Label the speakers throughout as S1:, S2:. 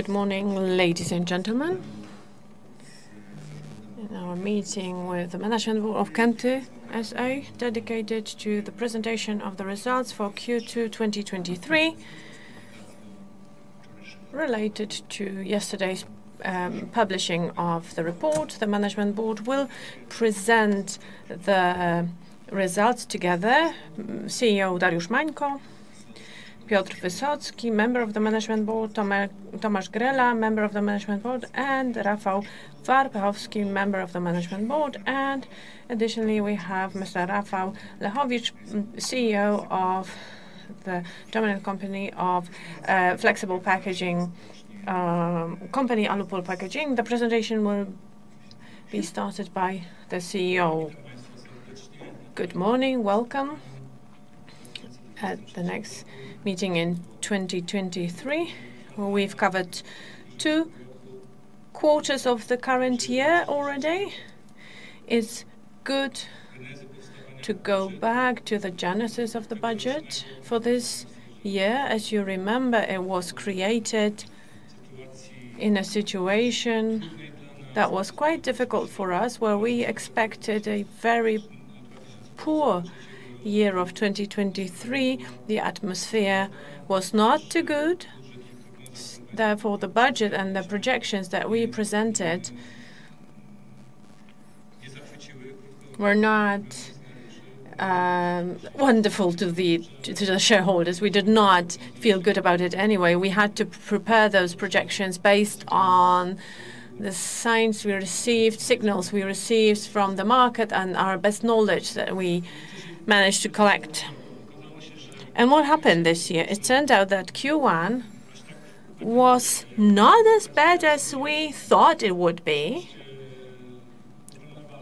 S1: Good morning, ladies and gentlemen, in our meeting with the Management Board of Grupa Kęty S.A., dedicated to the presentation of the results for Q2, 2023. Related to yesterday's publishing of the report, the Management Board will present the results together. CEO, Dariusz Mańko, Piotr Wysocki, Member of the Management Board, Tomasz Grela, Member of the Management Board, and Rafał Warpechowski, Member of the Management Board. Additionally, we have Mr. Rafał Lechowicz, CEO of the dominant company of flexible packaging company, Alupol Packaging. The presentation will be started by the CEO. Good morning. Welcome at the next meeting in 2023, where we've covered two quarters of the current year already. It's good to go back to the genesis of the budget for this year. As you remember, it was created in a situation that was quite difficult for us, where we expected a very poor year of 2023. The atmosphere was not too good, therefore, the budget and the projections that we presented were not wonderful to the, to, to the shareholders. We did not feel good about it anyway. We had to prepare those projections based on the signs we received, signals we received from the market and our best knowledge that we managed to collect. What happened this year? It turned out that Q1 was not as bad as we thought it would be.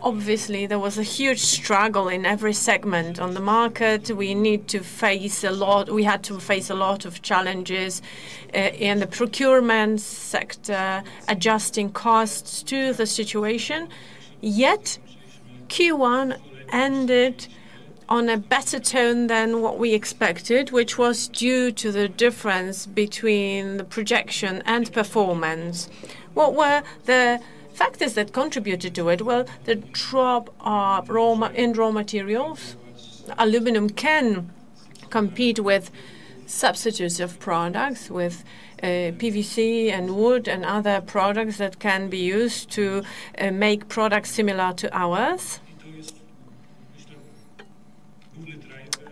S1: Obviously, there was a huge struggle in every segment on the market. We need to face a lot we had to face a lot of challenges in the procurement sector, adjusting costs to the situation. Yet, Q1 ended on a better tone than what we expected, which was due to the difference between the projection and performance. What were the factors that contributed to it? Well, the drop of raw materials. Aluminum can compete with substitutes of products, with PVC and wood and other products that can be used to make products similar to ours.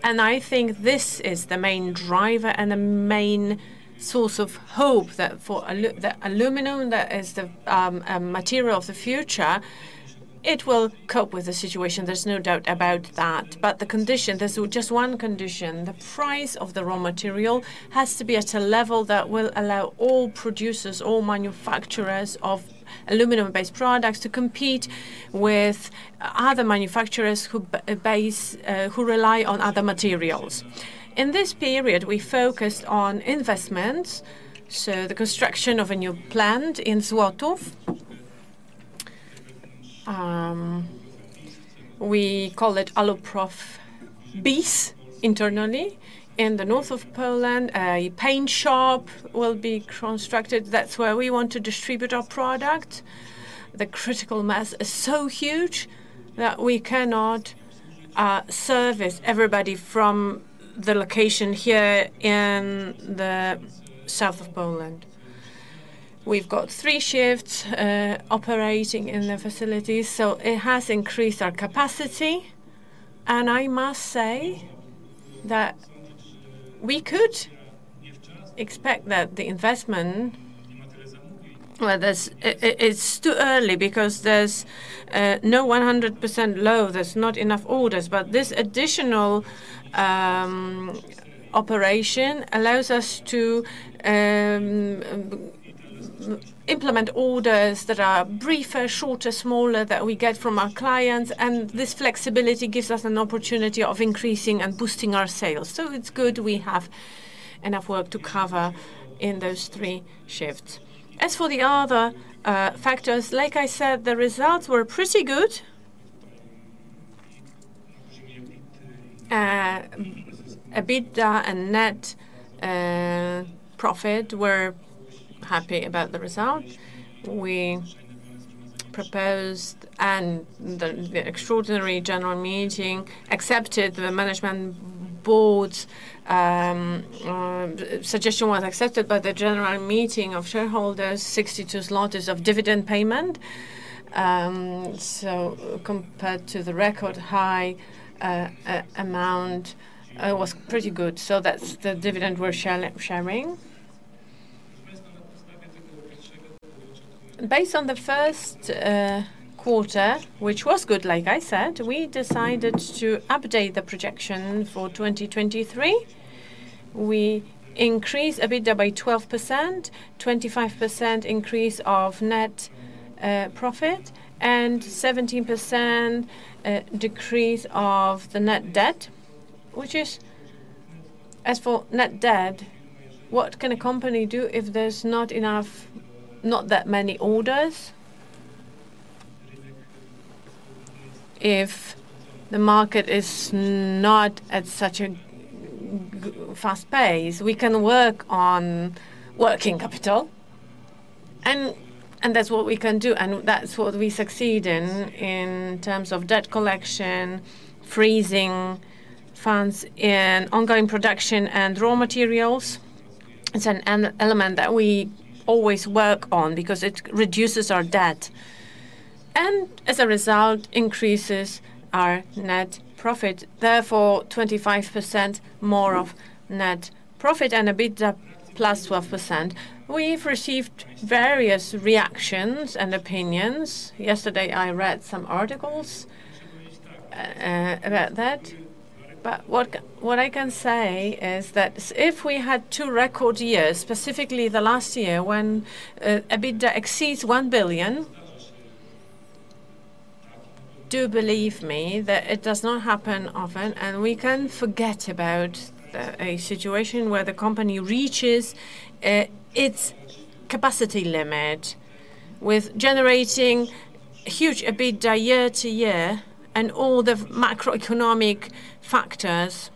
S1: I think this is the main driver and the main source of hope that for the aluminum, that is the material of the future, it will cope with the situation. There's no doubt about that. The condition, there's just one condition: the price of the raw material has to be at a level that will allow all producers, all manufacturers of aluminum-based products, to compete with other manufacturers who base, who rely on other materials. In this period, we focused on investments, so the construction of a new plant in Złotów. We call it Aluprof Bis, internally. In the north of Poland, a paint shop will be constructed. That's where we want to distribute our product. The critical mass is so huge that we cannot service everybody from the location here in the south of Poland. We've got three shifts operating in the facilities, so it has increased our capacity, and I must say that we could expect that the investment, well, it's too early because there's no 100% load. There's not enough orders. This additional operation allows us to implement orders that are briefer, shorter, smaller, that we get from our clients, and this flexibility gives us an opportunity of increasing and boosting our sales. It's good we have enough work to cover in those three shifts. As for the other factors, like I said, the results were pretty good. EBITDA and net profit, we're happy about the result. We proposed and the extraordinary general meeting accepted the management board's suggestion was accepted by the general meeting of shareholders, 62 zloty of dividend payment. Compared to the record-high amount was pretty good. That's the dividend we're sharing. Based on the first quarter, which was good, like I said, we decided to update the projection for 2023. We increased EBITDA by 12%, 25% increase of net profit, and 17% decrease of the net debt, which is as for net debt, what can a company do if there's not enough, not that many orders? If the market is not at such a fast pace, we can work on working capital, and, and that's what we can do, and that's what we succeed in, in terms of debt collection, freezing funds in ongoing production and raw materials. It's an element that we always work on because it reduces our debt and as a result, increases our net profit. 25% more of net profit and EBITDA, +12%. We've received various reactions and opinions. Yesterday, I read some articles about that. What I can say is that if we had 2 record years, specifically the last year, when EBITDA exceeds EUR 1 billion, do believe me that it does not happen often, and we can forget about the situation where the company reaches its capacity limit with generating huge EBITDA year to year and all the macroeconomic factors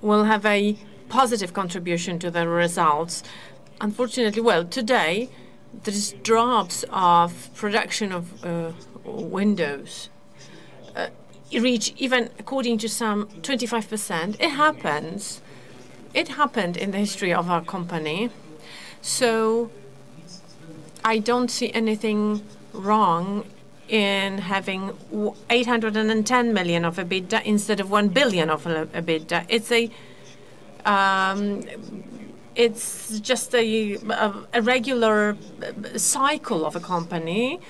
S1: will have a positive contribution to the results. Unfortunately, well, today, there is drops of production of windows. It reach even according to some, 25%. It happens. It happened in the history of our company, so I don't see anything wrong in having 810 million of EBITDA instead of 1 billion of EBITDA. It's a. It's just a regular cycle of a company,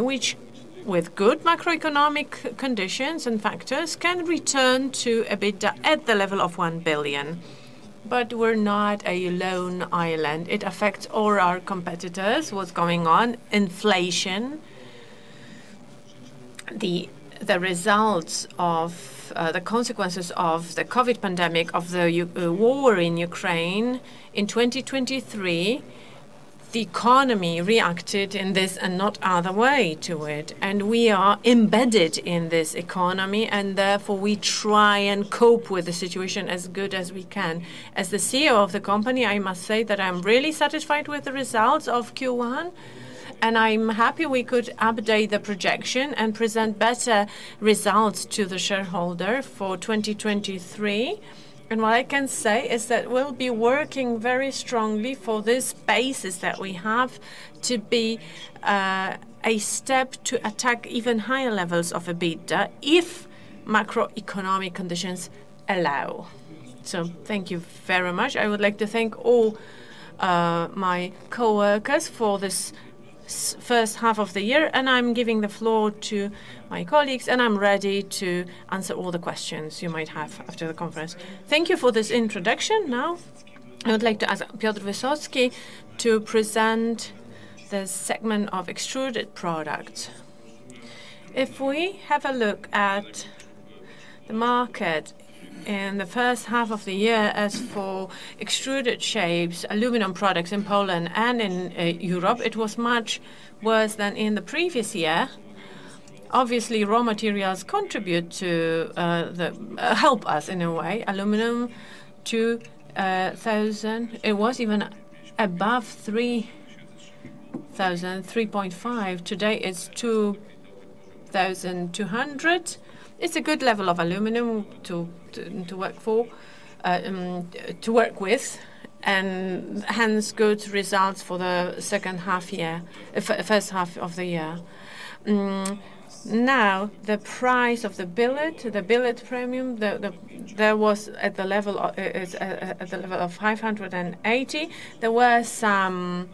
S1: which with good macroeconomic conditions and factors, can return to EBITDA at the level of 1 billion. We're not a lone island. It affects all our competitors, what's going on, inflation. The results of, the consequences of the COVID pandemic, of the war in Ukraine. In 2023, the economy reacted in this and not other way to it, and we are embedded in this economy, and therefore, we try and cope with the situation as good as we can. As the CEO of the company, I must say that I'm really satisfied with the results of Q1, and I'm happy we could update the projection and present better results to the shareholder for 2023. What I can say is that we'll be working very strongly for this basis that we have to be a step to attack even higher levels of EBITDA, if macroeconomic conditions allow. Thank you very much. I would like to thank all my coworkers for this first half of the year, and I'm giving the floor to my colleagues, and I'm ready to answer all the questions you might have after the conference. Thank you for this introduction. Now, I would like to ask Piotr Wysocki to present the segment of extruded products. If we have a look at the market in the first half of the year, as for extruded shapes, aluminum products in Poland and in Europe, it was much worse than in the previous year. Obviously, raw materials contribute to the help us in a way. Aluminum, 2,000, it was even above 3,003.5. Today, it's 2,200. It's a good level of aluminum to work for, to work with, and hence, good results for the second half year, first half of the year. Now, the price of the billet, the billet premium, there was at the level of, it's at the level of 580. There were some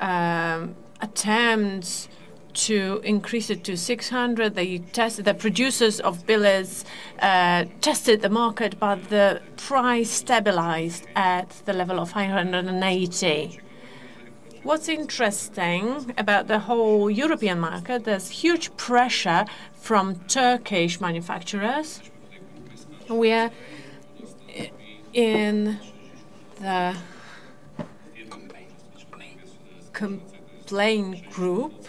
S1: attempts to increase it to 600. The producers of billets tested the market, but the price stabilized at the level of 580. What's interesting about the whole European market, there's huge pressure from Turkish manufacturers, where in the complainant group,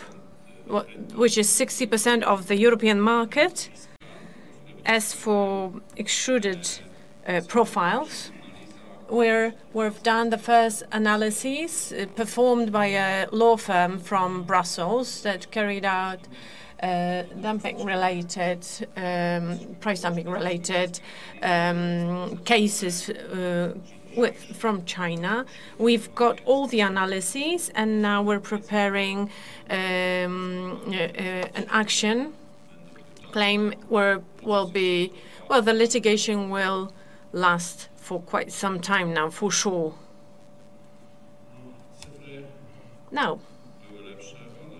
S1: which is 60% of the European market. As for extruded profiles, we've done the first analysis performed by a law firm from Brussels that carried out dumping-related, price dumping-related cases with, from China. We've got all the analysis. Now we're preparing an action claim. Well, the litigation will last for quite some time now, for sure.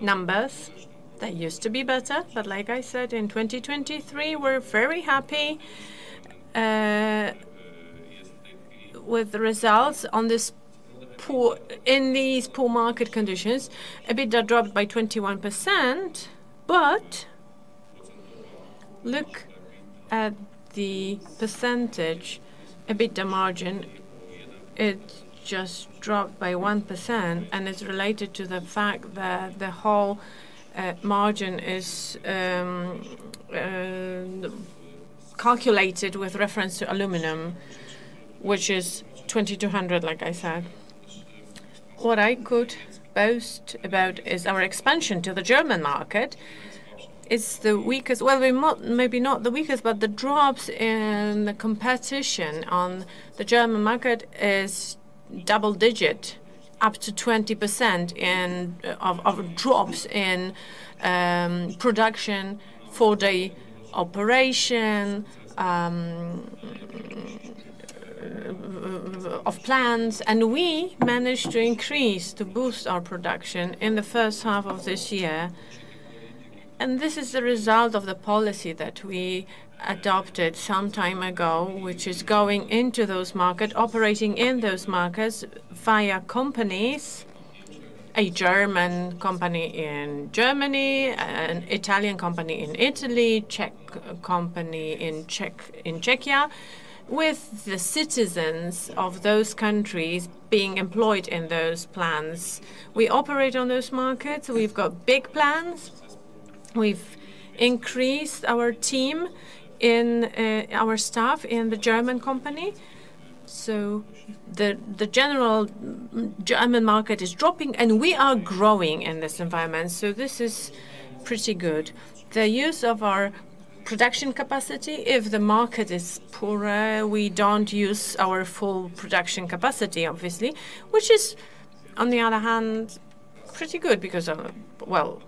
S1: Numbers, they used to be better, but like I said, in 2023, we're very happy with the results in these poor market conditions. EBITDA dropped by 21%. Look at the percentage, EBITDA margin, it just dropped by 1%. It's related to the fact that the whole margin is calculated with reference to aluminum, which is 2,200, like I said. What I could boast about is our expansion to the German market. It's the weakest well, we not, maybe not the weakest, but the drops in the competition on the German market is double digit, up to 20% in, of, of drops in production for the operation of plans, we managed to increase, to boost our production in the 1st half of this year. This is the result of the policy that we adopted some time ago, which is going into those market, operating in those markets via companies, a German company in Germany, an Italian company in Italy, Czech company in Czech, in Czechia, with the citizens of those countries being employed in those plans. We operate on those markets. We've got big plans. We've increased our team in our staff in the German company. The general German market is dropping, and we are growing in this environment. This is pretty good. The use of our production capacity, if the market is poorer, we don't use our full production capacity, obviously, which is, on the other hand, pretty good because of, well,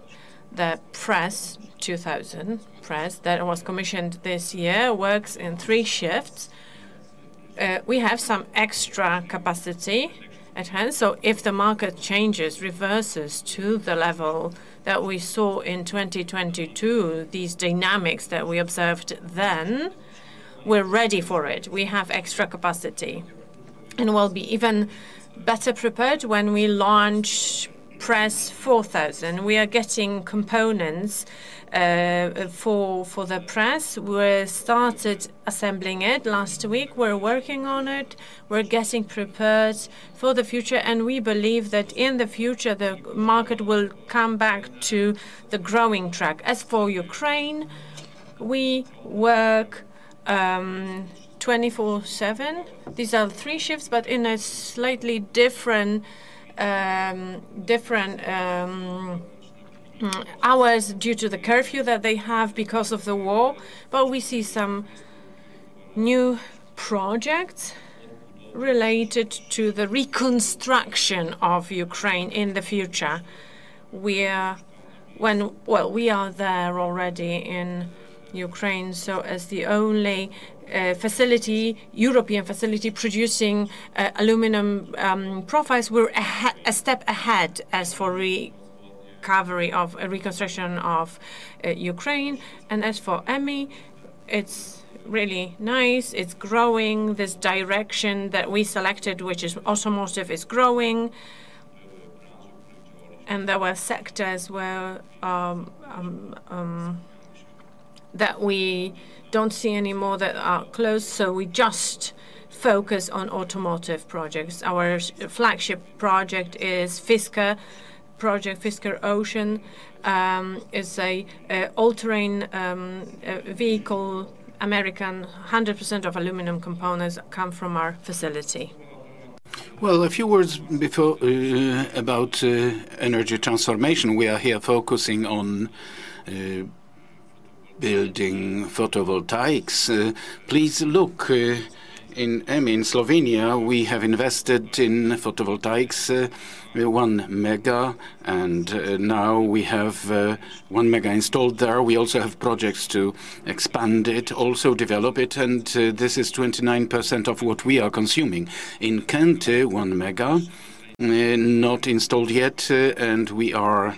S1: the press, 2,000 press that was commissioned this year, works in three shifts. We have some extra capacity at hand. If the market changes, reverses to the level that we saw in 2022, these dynamics that we observed then, we're ready for it. We have extra capacity, and we'll be even better prepared when we launch Press 4,000. We are getting components for the press. We started assembling it last week. We're working on it. We're getting prepared for the future, and we believe that in the future, the market will come back to the growing track. As for Ukraine, we work 24/7. These are 3 shifts, but in a slightly different hours due to the curfew that they have because of the war. We see some new projects related to the reconstruction of Ukraine in the future. Well, we are there already in Ukraine, as the only facility, European facility producing aluminum profiles, we're a step ahead as for recovery of reconstruction of Ukraine. As for EMMI, it's really nice. It's growing. This direction that we selected, which is automotive, is growing. There were sectors where that we don't see anymore that are closed, so we just focus on automotive projects. Our flagship project is Fisker. Project Fisker Ocean, is a, a all-terrain, vehicle. American. 100% of aluminum components come from our facility.
S2: Well, a few words before about energy transformation. We are here focusing on building photovoltaics. Please look, in EMMI, in Slovenia, we have invested in photovoltaics, 1 mega, and now we have 1 mega installed there. We also have projects to expand it, also develop it, and this is 29% of what we are consuming. In Kęty, 1 mega, not installed yet, and we are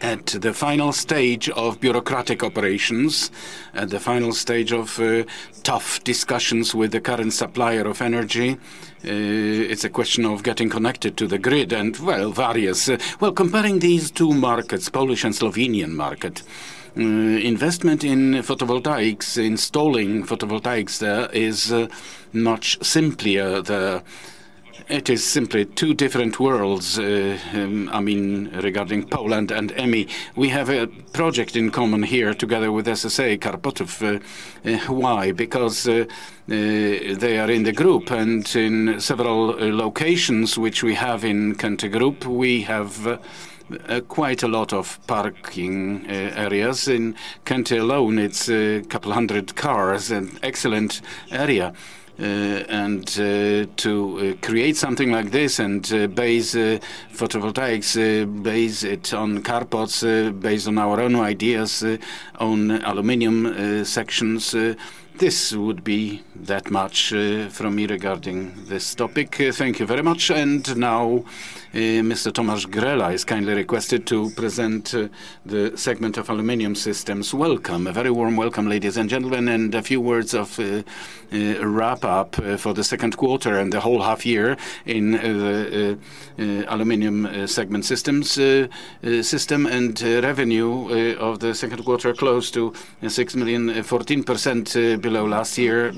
S2: at the final stage of bureaucratic operations, at the final stage of tough discussions with the current supplier of energy. it's a question of getting connected to the grid and, well, various. Well, comparing these two markets, Polish and Slovenian market, investment in photovoltaics, installing photovoltaics there is much simpler there. It is simply two different worlds, I mean, regarding Poland and EMMI. We have a project in common here together with SSA Karpaty, why? Because they are in the group and in several locations which we have in Grupa Kęty, we have quite a lot of parking areas. In Kęty alone, it's a couple hundred cars, an excellent area. To create something like this and base photovoltaics, base it on carports, based on our own ideas, on aluminum sections, this would be that much from me regarding this topic. Thank you very much. Now, Mr. Tomasz Grela is kindly requested to present the segment of aluminum systems. Welcome.
S3: A very warm welcome, ladies and gentlemen, a few words of wrap-up for the second quarter and the whole half year in aluminum segment systems. Revenue of the second quarter, close to $6 million, 14% below last year.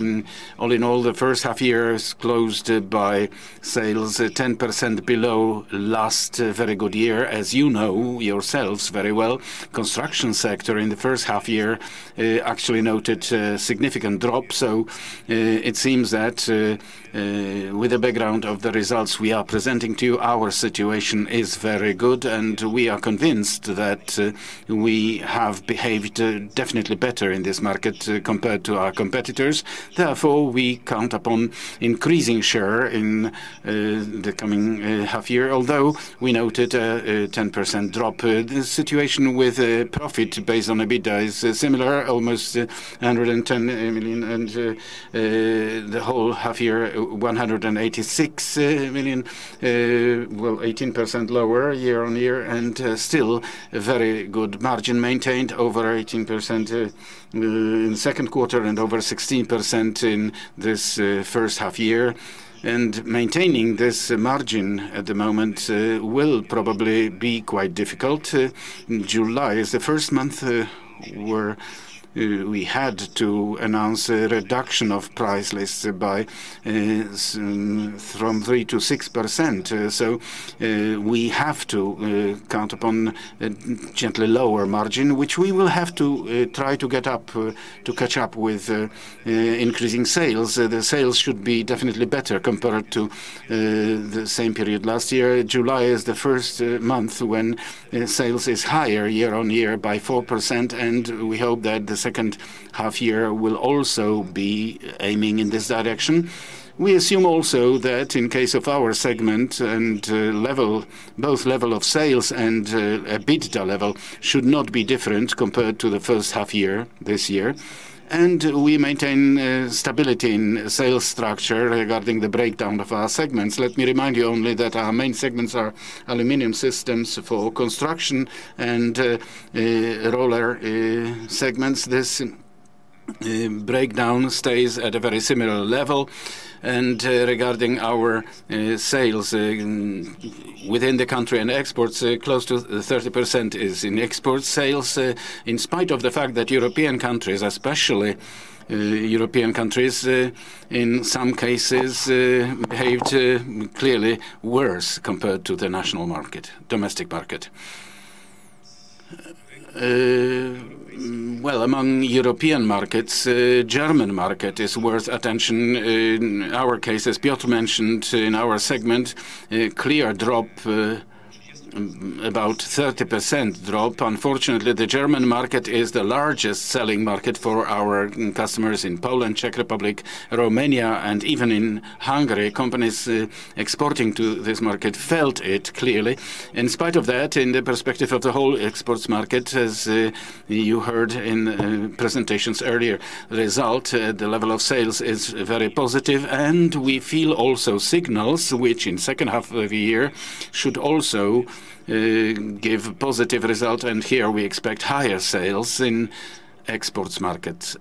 S3: All in all, the first half year is closed by sales 10% below last very good year. As you know yourselves very well, construction sector in the first half year actually noted a significant drop. It seems that with the background of the results we are presenting to you, our situation is very good, and we are convinced that we have behaved definitely better in this market compared to our competitors. Therefore, we count upon increasing share in the coming half year, although we noted a 10% drop. The situation with profit based on EBITDA is similar, almost 110 million, and the whole half year, 186 million, 18% lower year-over-year, and still a very good margin, maintained over 18% in the second quarter and over 16% in this first half year. Maintaining this margin at the moment will probably be quite difficult. July is the first month where we had to announce a reduction of price lists by 3%-6%. We have to count upon a gently lower margin, which we will have to try to get up to catch up with increasing sales. The sales should be definitely better compared to the same period last year. July is the first month when sales is higher year-on-year by 4%, and we hope that the second half year will also be aiming in this direction. We assume also that in case of our segment and level, both level of sales and EBITDA level should not be different compared to the first half year, this year. We maintain stability in sales structure regarding the breakdown of our segments. Let me remind you only that our main segments are aluminum systems for construction and roller segments. This breakdown stays at a very similar level. Regarding our sales within the country and exports, close to 30% is in export sales, in spite of the fact that European countries, especially European countries, in some cases, behaved clearly worse compared to the national market, domestic market. Well, among European markets, German market is worth attention. In our case, as Piotr mentioned, in our segment, a clear drop, about 30% drop. Unfortunately, the German market is the largest selling market for our customers in Poland, Czech Republic, Romania, and even in Hungary. Companies exporting to this market felt it clearly. In spite of that, in the perspective of the whole exports market, as you heard in presentations earlier, result, the level of sales is very positive, and we feel also signals which in 2nd half of the year should also give positive result, and here we expect higher sales in exports markets.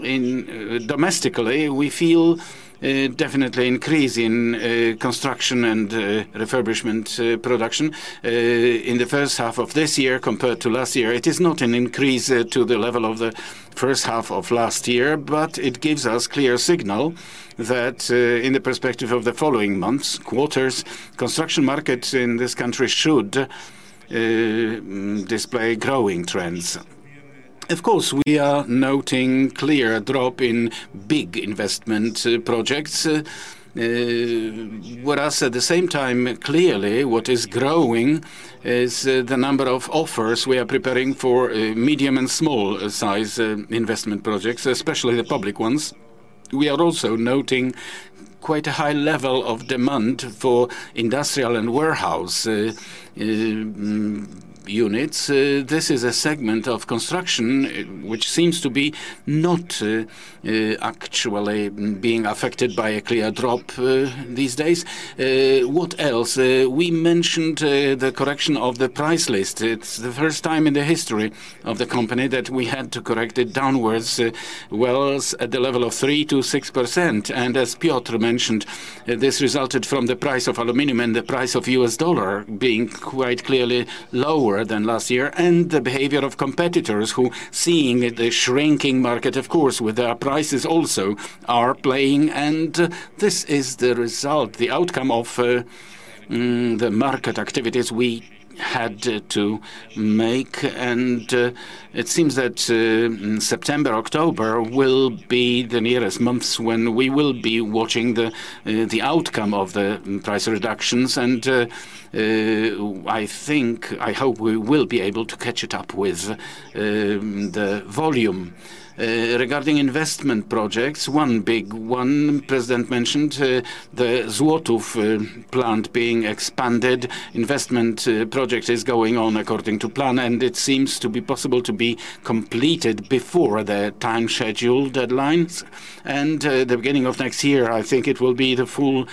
S3: Domestically, we feel definitely increase in construction and refurbishment production. In the 1st half of this year compared to last year, it is not an increase to the level of the 1st half of last year, but it gives us clear signal that in the perspective of the following months, quarters, construction markets in this country should display growing trends. Of course, we are noting clear drop in big investment projects. Whereas at the same time, clearly, what is growing is the number of offers we are preparing for medium and small size investment projects, especially the public ones. We are also noting quite a high level of demand for industrial and warehouse units. This is a segment of construction which seems to be not actually being affected by a clear drop these days. What else? We mentioned the correction of the price list. It's the first time in the history of the company that we had to correct it downwards, well, at the level of 3%-6%. As Piotr mentioned, this resulted from the price of aluminum and the price of US dollar being quite clearly lower than last year, and the behavior of competitors who, seeing the shrinking market, of course, with their prices also are playing, and this is the result, the outcome of the market activities we had to make. It seems that September, October will be the nearest months when we will be watching the outcome of the price reductions. I think, I hope we will be able to catch it up with the volume. Regarding investment projects, one big one, president mentioned the Złotów plant being expanded. Investment project is going on according to plan, and it seems to be possible to be completed before the time schedule deadlines. The beginning of next year, I think it will be the full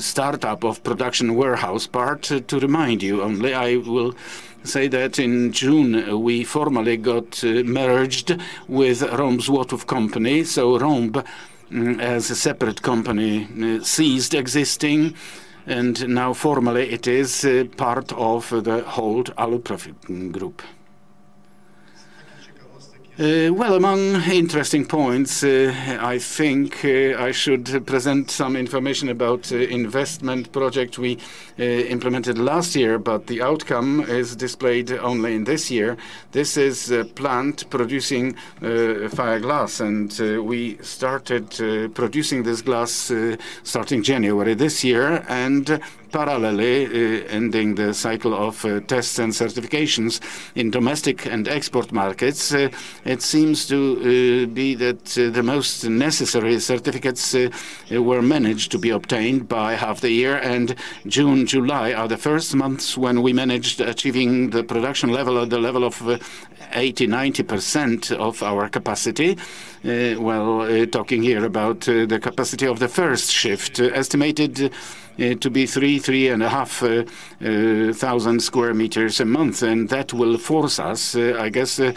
S3: startup of production warehouse part. To remind you only, I will say that in June, we formally got merged with ROMB Złotów company. ROM, as a separate company, ceased existing, and now formally it is part of the whole Aluprof group. Well, among interesting points, I think I should present some information about investment project we implemented last year, but the outcome is displayed only in this year. This is a plant producing Fire-resistant glass, and we started producing this glass starting January this year, and parallelly ending the cycle of tests and certifications in domestic and export markets. It seems to be that the most necessary certificates were managed to be obtained by half the year, June, July are the first months when we managed achieving the production level at the level of 80%-90% of our capacity. Talking here about the capacity of the first shift, estimated to be 3,000-3,500 sq m a month. That will force us to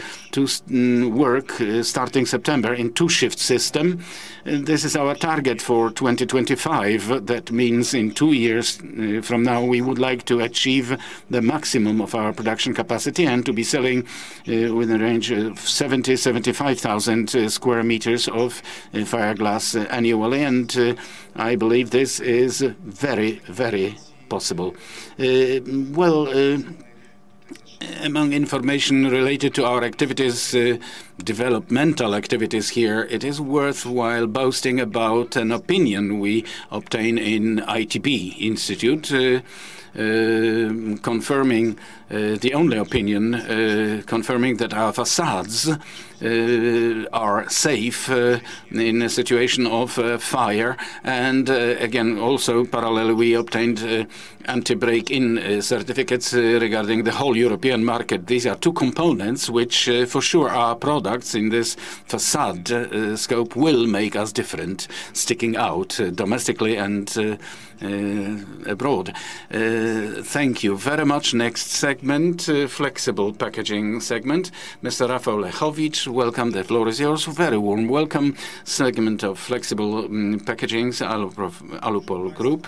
S3: work starting September, in two shift system. This is our target for 2025. That means in two years from now, we would like to achieve the maximum of our production capacity and to be selling with a range of 70,000-75,000 sq m of fire glass annually. I believe this is very, very possible. Well, among information related to our activities, developmental activities here, it is worthwhile boasting about an opinion we obtained in ITB Institute, confirming the only opinion, confirming that our facades are safe in a situation of fire. Again, also parallel, we obtained anti-break-in certificates regarding the whole European market. These are two components, which, for sure, our products in this facade scope will make us different, sticking out domestically and abroad. Thank you very much. Next segment, Flexible Packaging Segment, Mr. Rafał Lechowicz, welcome. The floor is yours. Very warm welcome.
S4: Segment of flexible packagings, Alu- Alupol Group.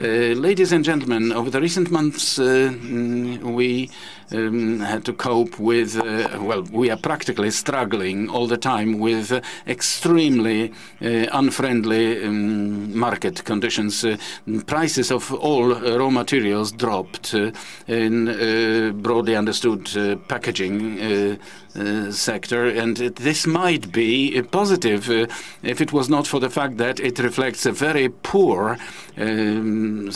S4: Ladies and gentlemen, over the recent months, we had to cope with well, we are practically struggling all the time with extremely unfriendly market conditions. Prices of all raw materials dropped in broadly understood packaging sector. This might be positive if it was not for the fact that it reflects a very poor situation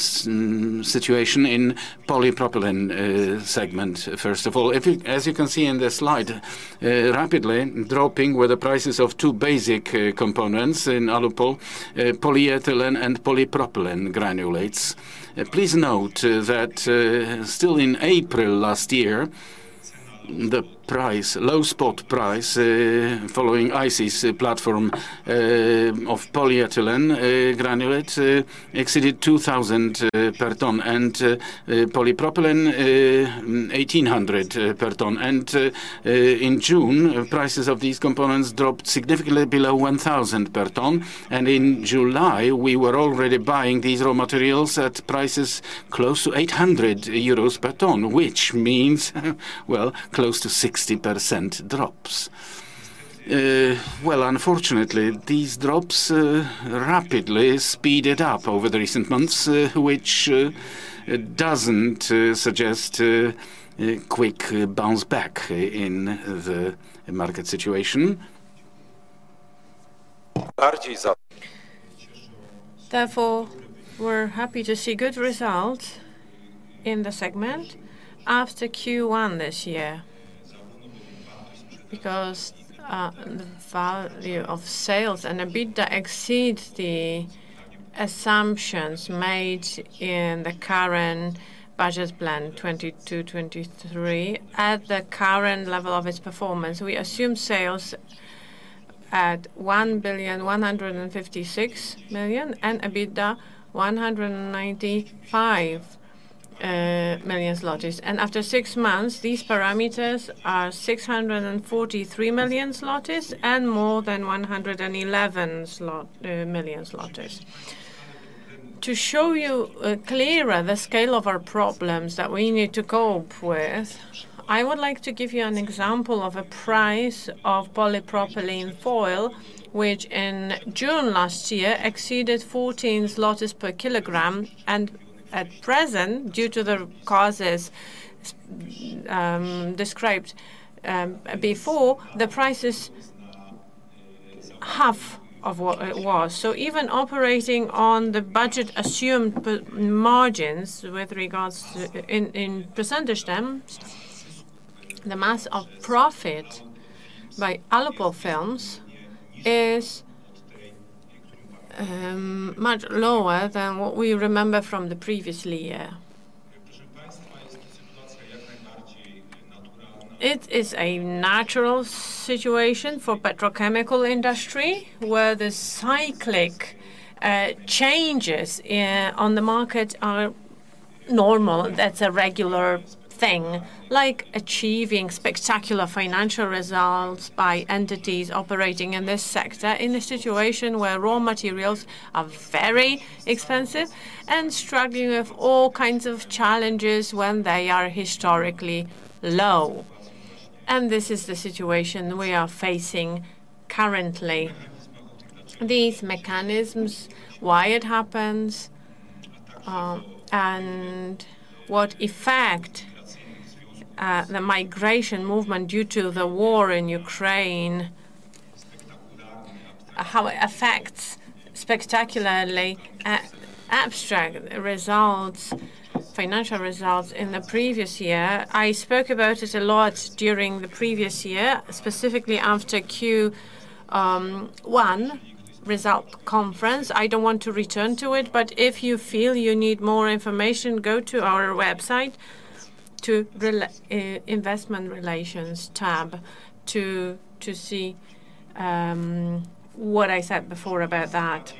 S4: in polypropylene segment. First of all, as you can see in the slide, rapidly dropping were the prices of two basic components in Alupol, polyethylene and polypropylene granulates. Please note that still in April last year, the price, low spot price, following ICIS platform, of polyethylene granulate exceeded $2,000 per ton, and polypropylene $1,800 per ton. In June, prices of these components dropped significantly below $1,000 per ton. In July, we were already buying these raw materials at prices close to 800 euros per ton, which means, well, close to 60% drops. Well, unfortunately, these drops, rapidly speeded up over the recent months, which doesn't suggest a quick bounce back in the market situation.
S1: Therefore, we're happy to see good results in the segment after Q1 this year. Because the value of sales and EBITDA exceeds the assumptions made in the current budget plan, 2022-2023. At the current level of its performance, we assume sales at 1,156 million and EBITDA, 195 million zlotys. After six months, these parameters are 643 million zlotys and more than 111 million zloty. To show you clearer the scale of our problems that we need to cope with, I would like to give you an example of a price of Polypropylene foil, which in June last year exceeded 14 per kilogram, and at present, due to the causes described before, the price is half of what it was. Even operating on the budget assumed margins with regards to in, in percentage terms, the mass of profit by Alupol Films is much lower than what we remember from the previously year. It is a natural situation for petrochemical industry, where the cyclic changes in, on the market are normal. That's a regular thing, like achieving spectacular financial results by entities operating in this sector in a situation where raw materials are very expensive and struggling with all kinds of challenges when they are historically low, and this is the situation we are facing currently. These mechanisms, why it happens, and what effect the migration movement due to the war in Ukraine, how it affects spectacularly abstract results, financial results in the previous year. I spoke about it a lot during the previous year, specifically after Q, 1 result conference. I don't want to return to it, but if you feel you need more information, go to our website, to investment relations tab to see what I said before about that.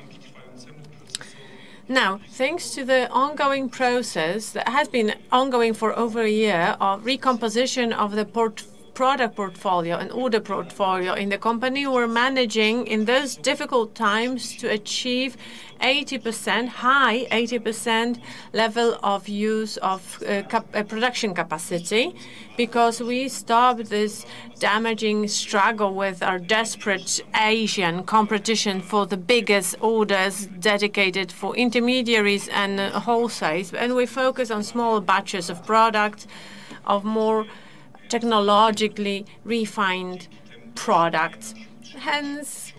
S1: Now, thanks to the ongoing process that has been ongoing for over a year of recomposition of the product portfolio and order portfolio in the company, we're managing, in those difficult times, to achieve 80%, high 80% level of use of production capacity because we stopped this damaging struggle with our desperate Asian competition for the biggest orders dedicated for intermediaries and wholesalers, and we focus on small batches of products, of more technologically refined products. Hence,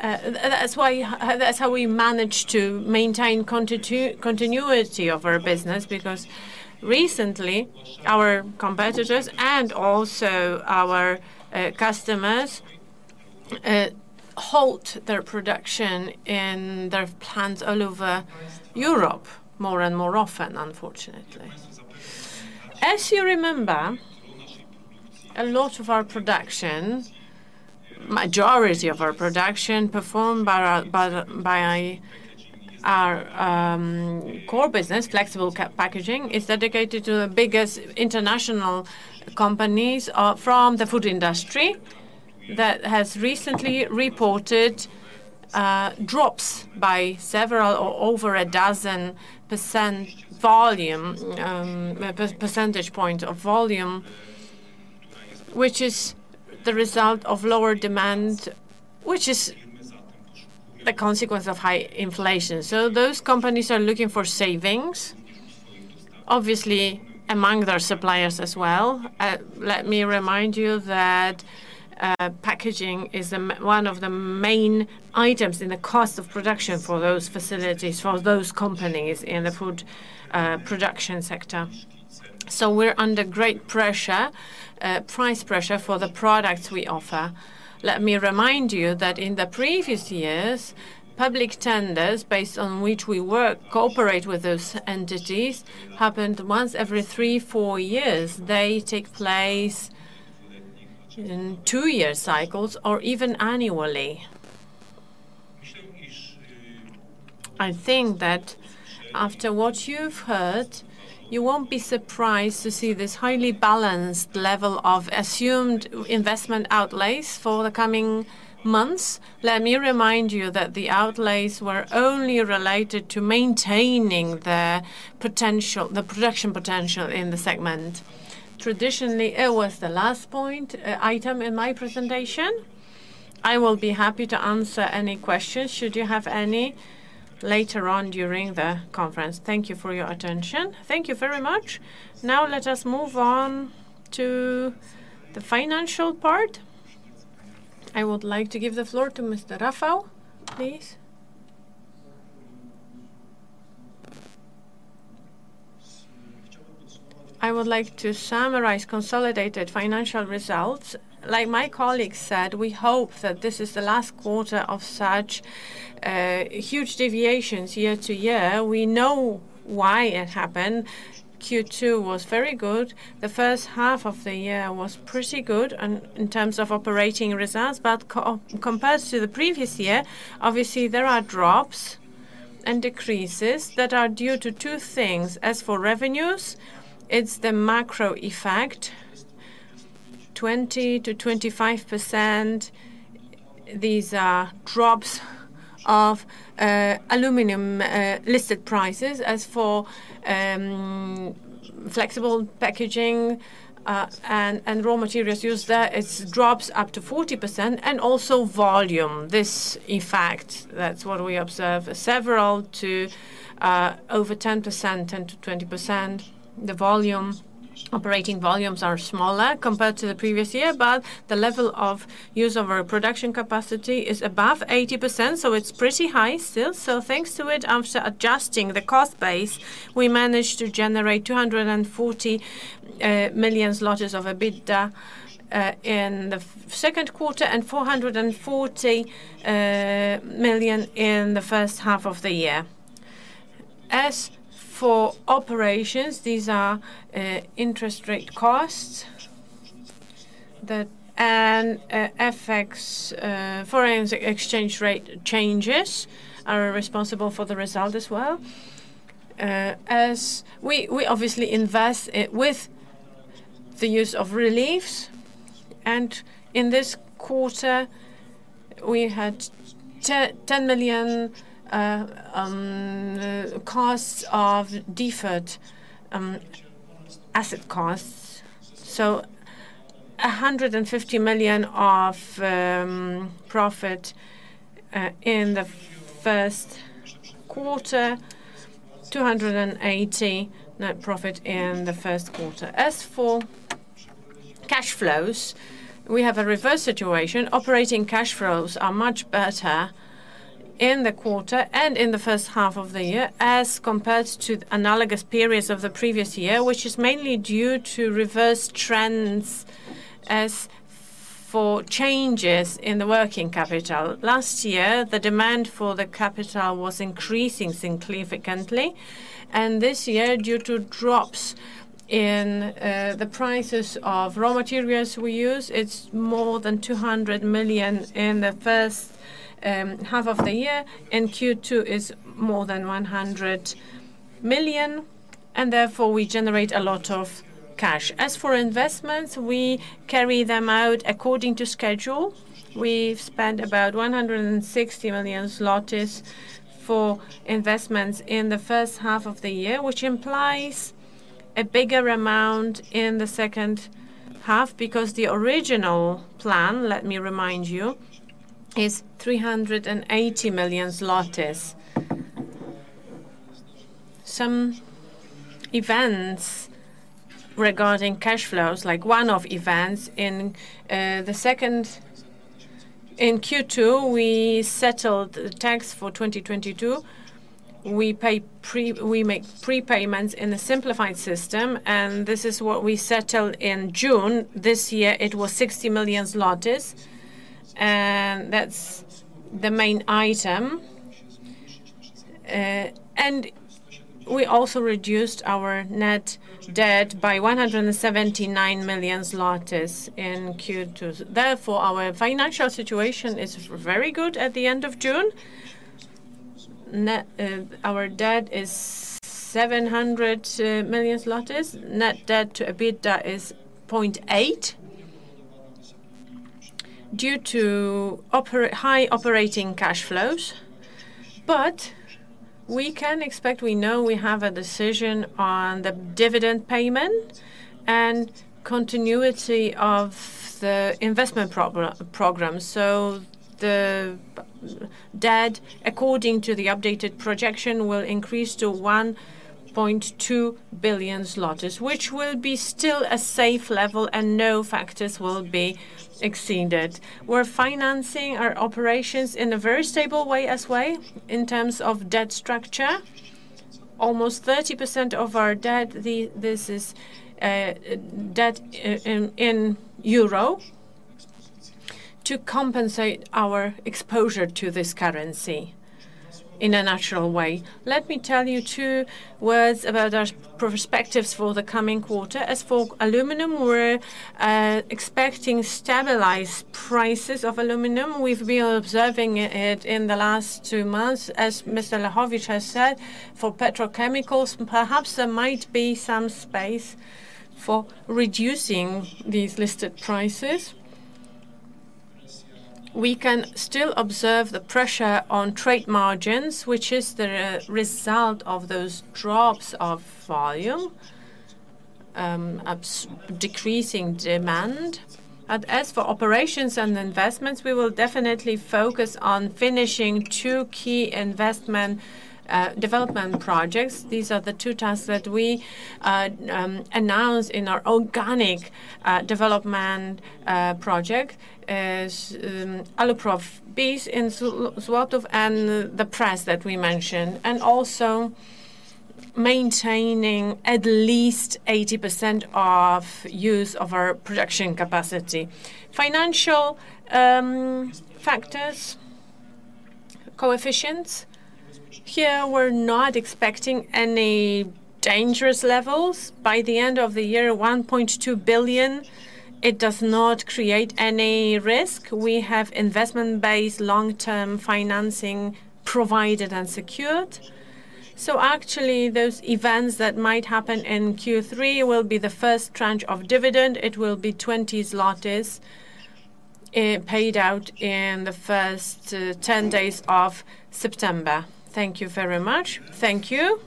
S1: that's why, that's how we managed to maintain continuity of our business, because recently, our competitors and also our customers, halt their production in their plants all over Europe, more and more often, unfortunately. As you remember, a lot of our production, majority of our production performed by our, by the, by our core business, flexible packaging, is dedicated to the biggest international companies from the food industry that has recently reported drops by several or over a dozen % volume, percentage point of volume, which is the result of lower demand, which is the consequence of high inflation. Those companies are looking for savings, obviously, among their suppliers as well. Let me remind you that packaging is one of the main items in the cost of production for those facilities, for those companies in the food production sector. We're under great pressure, price pressure for the products we offer. Let me remind you that in the previous years, public tenders, based on which we work, cooperate with those entities, happened once every 3, 4 years. They take place in 2-year cycles or even annually. I think that after what you've heard, you won't be surprised to see this highly balanced level of assumed investment outlays for the coming months. Let me remind you that the outlays were only related to maintaining the potential, the production potential in the segment. Traditionally, it was the last point, item in my presentation. I will be happy to answer any questions, should you have any, later on during the conference. Thank you for your attention. Thank you very much. Now, let us move on to the financial part. I would like to give the floor to Mr. Rafał, please.
S5: I would like to summarize consolidated financial results. Like my colleague said, we hope that this is the last quarter of such huge deviations year-over-year. We know why it happened. Q2 was very good. The first half of the year was pretty good in, in terms of operating results, but compared to the previous year, obviously, there are drops and decreases that are due to two things. As for revenues, it's the macro effect, 20%-25%. These are drops of aluminum listed prices. As for flexible packaging and raw materials used there, it's drops up to 40% and also volume. This effect, that's what we observe, several to over 10%, 10%-20%. The volume, operating volumes are smaller compared to the previous year, but the level of use of our production capacity is above 80%, so it's pretty high still. Thanks to it, after adjusting the cost base, we managed to generate 240 million zloty of EBITDA in the second quarter, and 440 million in the first half of the year. As for operations, these are interest rate costs, that and FX foreign exchange rate changes are responsible for the result as well. As we, we obviously invest, with the use of reliefs, and in this quarter, we had $10 million costs of deferred asset costs. A 150 million of profit in the first quarter, $280 net profit in the first quarter. For cash flows, we have a reverse situation. Operating cash flows are much better in the quarter and in the first half of the year as compared to analogous periods of the previous year, which is mainly due to reverse trends. As for changes in the working capital, last year, the demand for the capital was increasing significantly, and this year, due to drops in the prices of raw materials we use, it's more than 200 million in the first half of the year, and Q2 is more than 100 million, and therefore, we generate a lot of cash. As for investments, we carry them out according to schedule. We've spent about 160 million zlotys for investments in the first half of the year, which implies a bigger amount in the second half, because the original plan, let me remind you, is PLN 380 million. Some events regarding cash flows, like one-off events in Q2, we settled the tax for 2022. We make prepayments in a simplified system, and this is what we settled in June. This year, it was 60 million zlotys, and that's the main item. We also reduced our net debt by 179 million zlotys in Q2. Therefore, our financial situation is very good at the end of June. Net, our debt is 700 million zlotys. Net debt to EBITDA is 0.8 due to high operating cash flows. We can expect, we know we have a decision on the dividend payment and continuity of the investment program. The debt, according to the updated projection, will increase to 1.2 billion zlotys, which will be still a safe level and no factors will be exceeded. We're financing our operations in a very stable way, in terms of debt structure. Almost 30% of our debt, this is debt in euro, to compensate our exposure to this currency in a natural way. Let me tell you 2 words about our perspectives for the coming quarter. As for aluminum, we're expecting stabilized prices of aluminum. We've been observing it in the last 2 months, as Mr. Lechowicz has said, for petrochemicals, perhaps there might be some space for reducing these listed prices. We can still observe the pressure on trade margins, which is the result of those drops of volume, decreasing demand. As for operations and investments, we will definitely focus on finishing 2 key investment development projects. These are the 2 tasks that we announced in our organic development project, as Aluprof base in Złotów and the press that we mentioned. Also maintaining at least 80% of use of our production capacity. Financial factors, coefficients, here, we're not expecting any dangerous levels. By the end of the year, 1.2 billion, it does not create any risk. We have investment-based long-term financing provided and secured. Actually, those events that might happen in Q3 will be the first tranche of dividend. It will be 20 zlotys paid out in the first 10 days of September. Thank you very much. Thank you.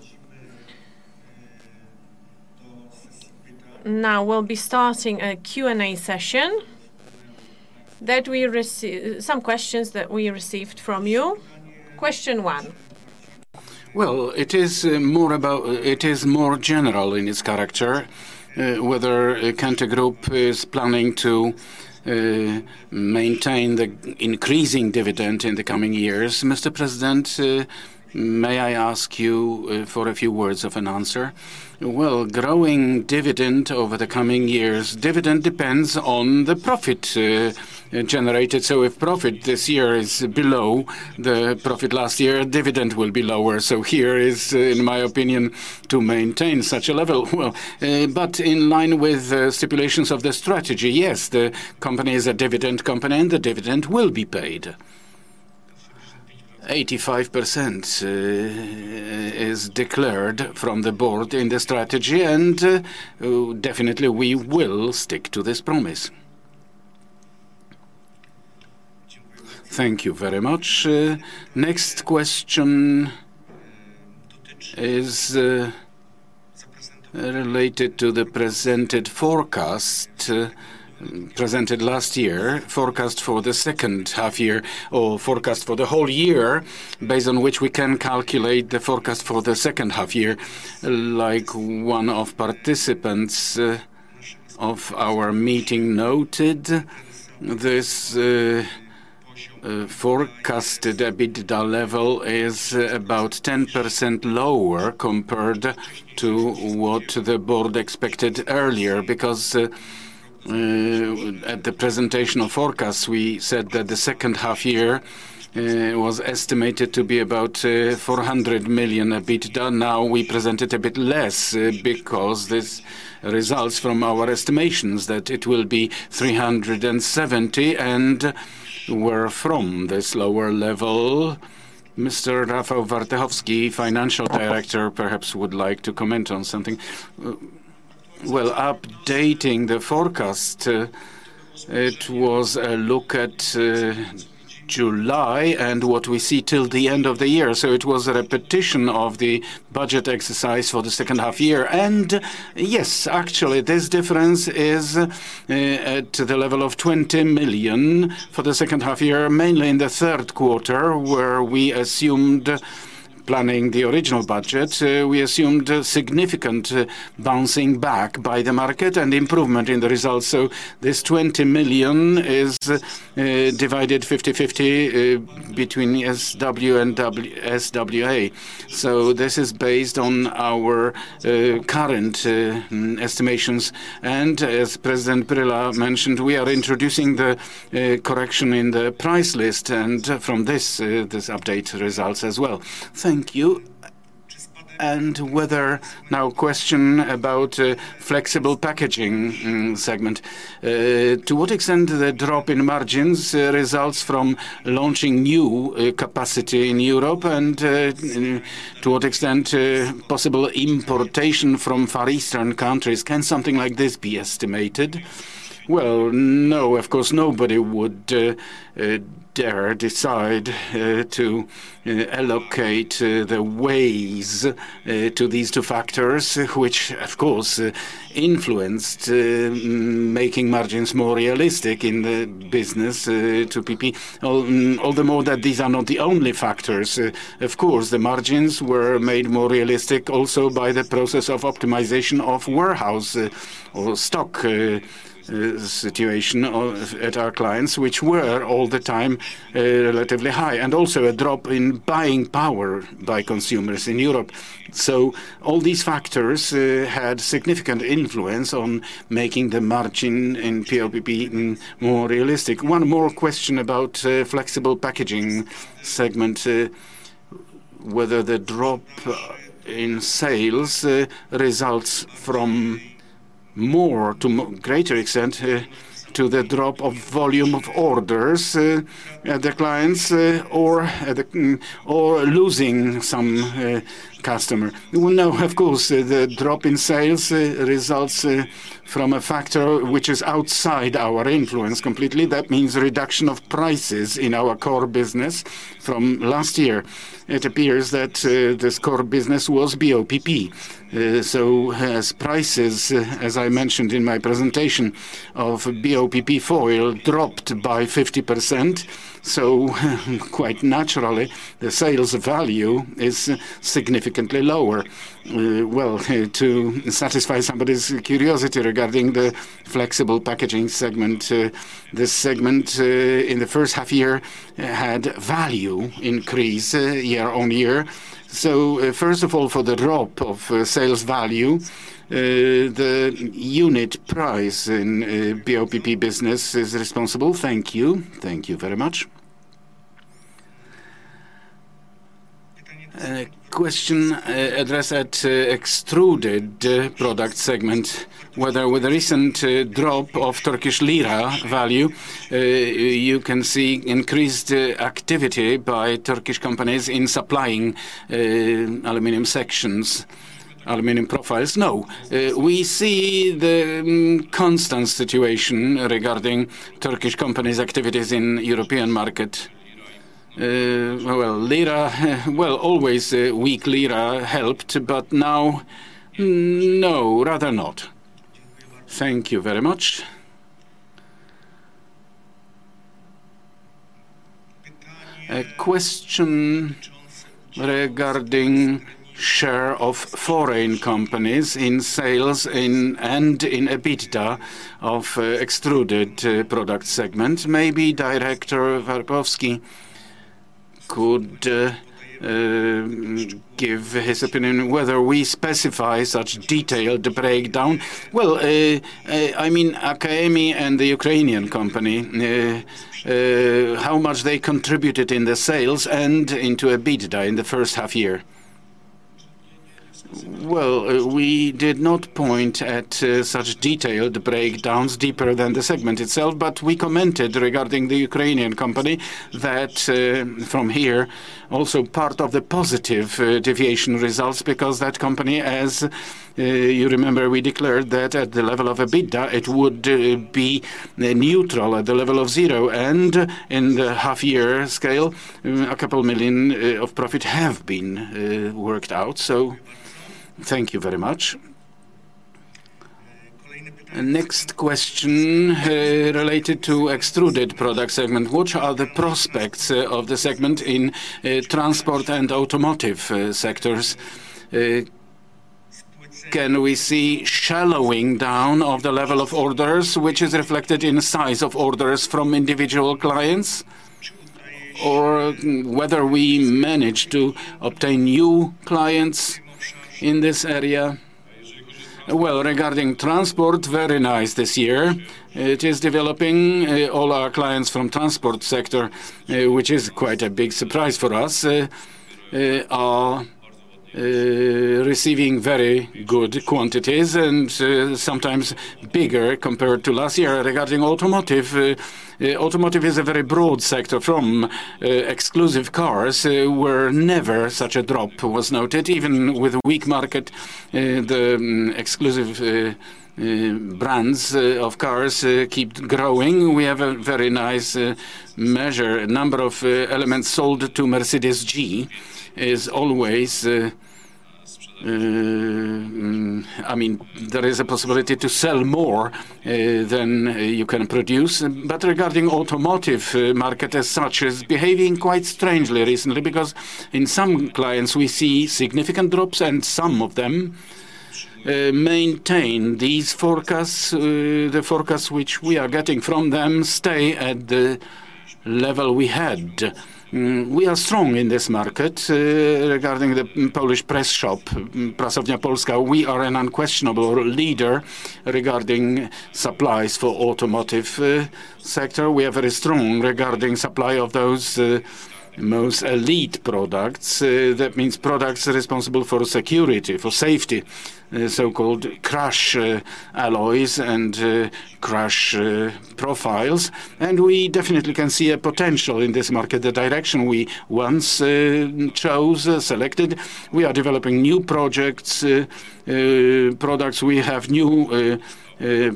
S5: Now, we'll be starting a Q&A session. Some questions that we received from you. Question one.
S2: Well, it is more about. It is more general in its character, whether Grupa Kęty is planning to maintain the increasing dividend in the coming years. Mr. President, may I ask you for a few words of an answer?
S1: Well, growing dividend over the coming years, dividend depends on the profit, generated. If profit this year is below the profit last year, dividend will be lower. Here is, in my opinion, to maintain such a level. Well, in line with stipulations of the strategy, yes, the company is a dividend company, and the dividend will be paid. 85% is declared from the board in the strategy, and definitely, we will stick to this promise. Thank you very much. Next question is related to the presented forecast, presented last year, forecast for the second half-year, or forecast for the whole year, based on which we can calculate the forecast for the second half-year.
S2: Like one of participants of our meeting noted, this forecasted EBITDA level is about 10% lower compared to what the Board expected earlier. At the presentational forecast, we said that the second half year was estimated to be about 400 million EBITDA. We presented a bit less because this results from our estimations that it will be 370 million, and we're from this lower level. Mr. Rafał Warpechowski, Financial Director, perhaps would like to comment on something. Well, updating the forecast, it was a look at July and what we see till the end of the year. It was a repetition of the budget exercise for the second half year. Yes, actually, this difference is at the level of $20 million for the second half-year, mainly in the third quarter, where we assumed, planning the original budget, we assumed a significant bouncing back by the market and improvement in the results. This $20 million is divided 50/50 between the SW and SWA. This is based on our current estimations. As President Grela mentioned, we are introducing the correction in the price list, and from this, this update results as well. Thank you. Whether now question about flexible packaging segment. To what extent the drop in margins results from launching new capacity in Europe, and to what extent possible importation from Far Eastern countries? Can something like this be estimated? Well, no, of course, nobody would dare decide to allocate the ways to these two factors, which, of course, influenced making margins more realistic in the business, to PP. All the more that these are not the only factors. Of course, the margins were made more realistic also by the process of optimization of warehouse, or stock, situation of, at our clients, which were all the time, relatively high, and also a drop in buying power by consumers in Europe. All these factors had significant influence on making the margin in PLPP more realistic. One more question about Flexible Packaging Segment, whether the drop in sales results from more to greater extent to the drop of volume of orders at the clients, or losing some customer? Well, no, of course, the drop in sales results from a factor which is outside our influence completely. That means a reduction of prices in our core business from last year. It appears that this core business was BOPP. As prices, as I mentioned in my presentation, of BOPP foil dropped by 50%, quite naturally, the sales value is significantly lower. Well, to satisfy somebody's curiosity regarding the Flexible Packaging Segment, this segment in the first half-year had value increase year-over-year. First of all, for the drop of sales value, the unit price in BOPP business is responsible. Thank you. Thank you very much. Question addressed at extruded products segment, whether with the recent drop of Turkish lira value, you can see increased activity by Turkish companies in supplying aluminum sections, aluminum profiles? No. We see the constant situation regarding Turkish companies' activities in European market. Well, lira, well, always weak lira helped, but now, no, rather not. Thank you very much. A question regarding share of foreign companies in sales in, and in EBITDA of, extruded products segment. Maybe Director Warpechowski could give his opinion whether we specify such detailed breakdown. Well, I mean, Akal Alüminyum and the Ukrainian company, how much they contributed in the sales and into EBITDA in the first half year? Well, we did not point at such detailed breakdowns deeper than the segment itself, but we commented regarding the Ukrainian company that from here, also part of the positive deviation results, because that company, as you remember, we declared that at the level of EBITDA, it would be neutral at the level of 0, and in the half year scale, a couple million of profit have been worked out. Thank you very much. Next question, related to extruded products segment: What are the prospects of the segment in transport and automotive sectors? Can we see shallowing down of the level of orders, which is reflected in size of orders from individual clients, or whether we managed to obtain new clients in this area? Well, regarding transport, very nice this year. It is developing, all our clients from transport sector, which is quite a big surprise for us, are receiving very good quantities and sometimes bigger compared to last year. Regarding automotive, automotive is a very broad sector, from exclusive cars, where never such a drop was noted. Even with weak market, the exclusive brands of cars keep growing. We have a very nice measure. Number of elements sold to Mercedes G is always, I mean, there is a possibility to sell more than you can produce. Regarding automotive market as such, is behaving quite strangely recently, because in some clients we see significant drops and some of them maintain these forecasts. The forecasts which we are getting from them stay at the level we had. We are strong in this market. Regarding the Polish press shop, Prasownia Polska, we are an unquestionable leader regarding supplies for automotive sector. We are very strong regarding supply of those most elite products. That means products responsible for security, for safety, so-called crash alloys and crash profiles. We definitely can see a potential in this market, the direction we once chose, selected. We are developing new projects, products. We have new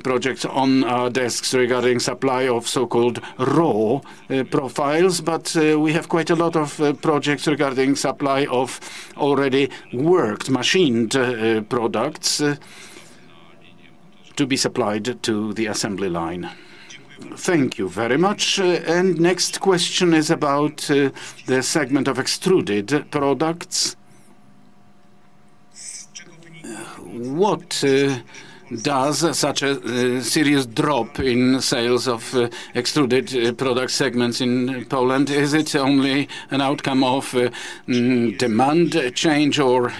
S2: projects on our desks regarding supply of so-called raw profiles, but we have quite a lot of projects regarding supply of already worked, machined products to be supplied to the assembly line. Thank you very much. Next question is about the segment of extruded products. What does such a serious drop in sales of extruded product segments in Poland? Is it only an outcome of demand change, or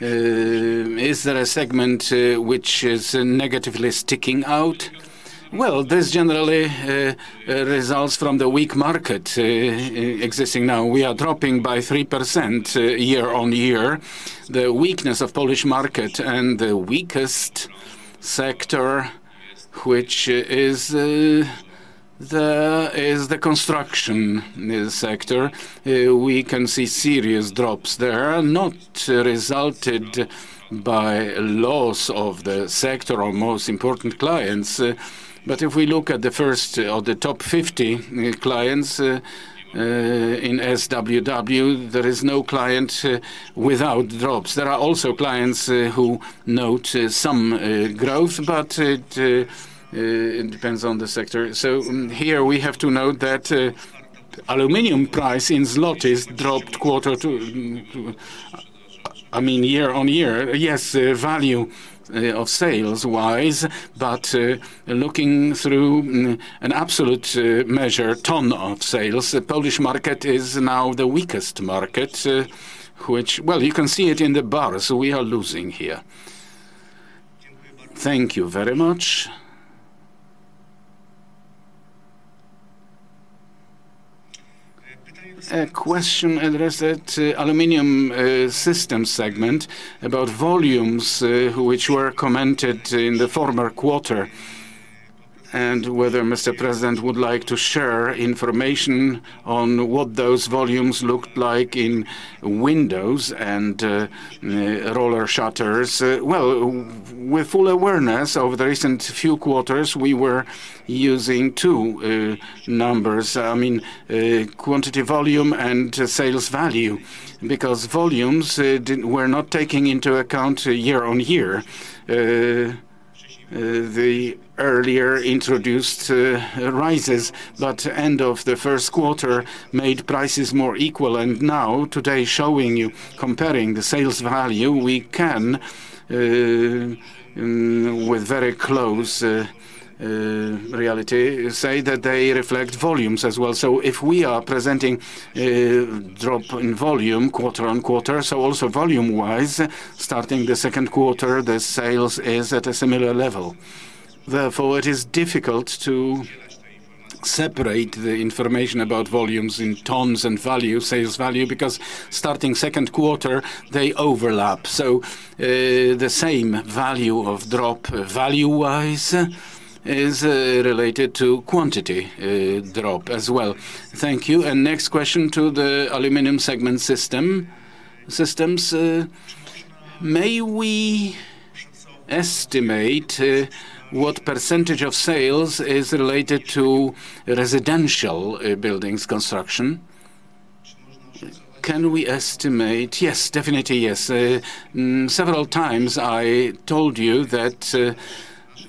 S2: is there a segment which is negatively sticking out? Well, this generally results from the weak market existing now. We are dropping by 3% year-on-year. The weakness of Polish market and the weakest sector, which is the construction sector. We can see serious drops there, not resulted by loss of the sector or most important clients. If we look at the first or the top 50 clients in SWW, there is no client without drops. There are also clients who note some growth, but it depends on the sector. Here we have to note that aluminum price in zlotys dropped quarter to, I mean, year-on-year. Yes, value of sales-wise, looking through an absolute measure, ton of sales, the Polish market is now the weakest market. Well, you can see it in the bars. We are losing here. Thank you very much. A question addressed to aluminum system segment about volumes which were commented in the former quarter, and whether Mr. President would like to share information on what those volumes looked like in windows and roller shutters. Well, with full awareness over the recent few quarters, we were using two numbers. I mean, quantity, volume, and sales value, because volumes didn't were not taking into account year-over-year. The earlier introduced rises, but end of the 1st quarter made prices more equal. Now, today, showing you, comparing the sales value, we can, with very close reality, say that they reflect volumes as well. If we are presenting a drop in volume quarter-over-quarter, also volume-wise, starting the 2nd quarter, the sales is at a similar level. Therefore, it is difficult to separate the information about volumes in tons and value, sales value, because starting 2nd quarter they overlap. The same value of drop value-wise is related to quantity drop as well. Thank you. Next question to the Aluminium segment systems. May we estimate what % of sales is related to residential buildings construction? Can we estimate? Yes, definitely yes. Several times I told you that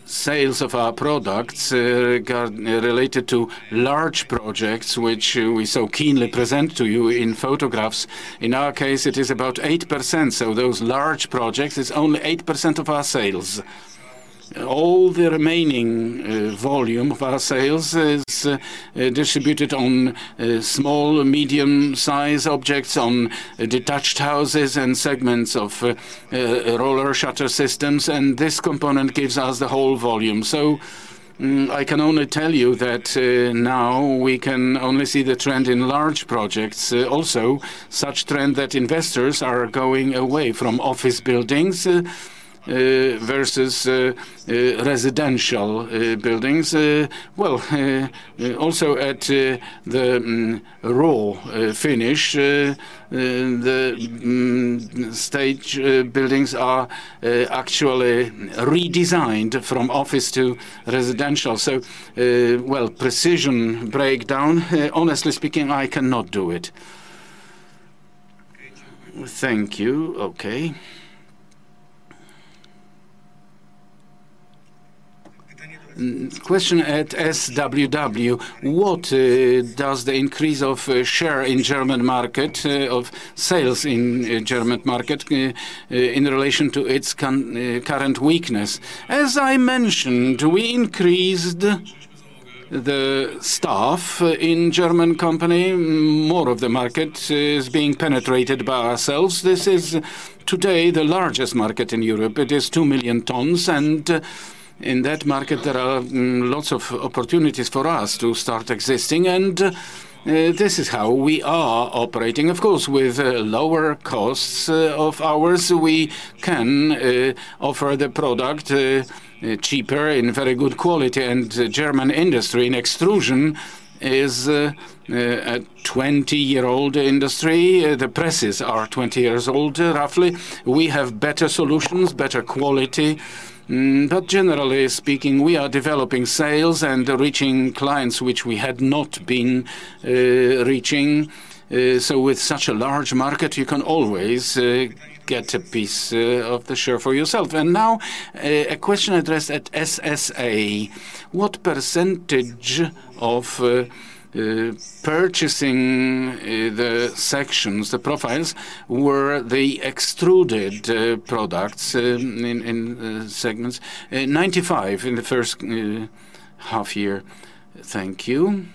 S2: sales of our products got related to large projects which we so keenly present to you in photographs. In our case, it is about 8%, so those large projects is only 8% of our sales. All the remaining volume of our sales is distributed on small or medium-size objects, on detached houses and segments of roller shutter systems, and this component gives us the whole volume. I can only tell you that now we can only see the trend in large projects. Also such trend that investors are going away from office buildings versus residential buildings. Well, also at the raw finish stage, buildings are actually redesigned from office to residential. Well, precision breakdown, honestly speaking, I cannot do it. Thank you. Okay. Question at SWW: What does the increase of share in German market of sales in German market in relation to its current weakness? As I mentioned, we increased the staff in German company. More of the market is being penetrated by ourselves. This is today the largest market in Europe. It is 2 million tons, and in that market there are lots of opportunities for us to start existing and this is how we are operating. Of course, with lower costs of ours, we can offer the product cheaper in very good quality. German industry in extrusion is a 20-year-old industry. The presses are 20 years old, roughly. We have better solutions, better quality, but generally speaking, we are developing sales and reaching clients which we had not been reaching. So with such a large market, you can always get a piece of the share for yourself. Now, a question addressed at SSA: What percentage of purchasing the sections, the profiles, were the extruded products in segments? 95 in the first half year. Thank you.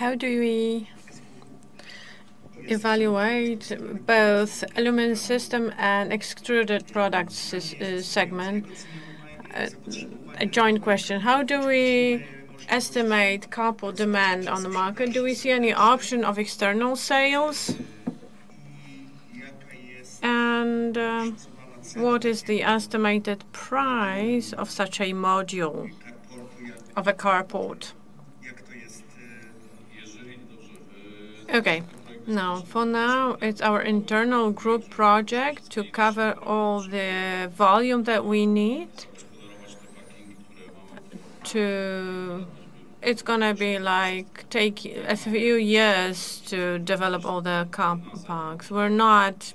S1: How do we evaluate both Aluminium Systems and Extruded Products seg- segment? A joint question: How do we estimate Carport demand on the market? Do we see any option of external sales? What is the estimated price of such a module of a Carport? Okay, now, for now, it's our internal group project to cover all the volume that we need to it's gonna be like take a few years to develop all the car parks. We're not,